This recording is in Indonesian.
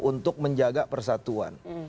untuk menjaga persatuan